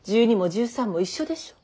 １２も１３も一緒でしょ。